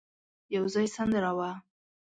يو ځای سندره وه.